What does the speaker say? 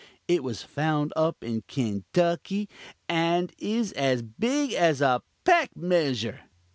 It was found up in Kanetucky, and is as big as a peck measure.